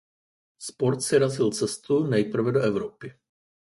Sport si razil cestu nejprve do Evropy.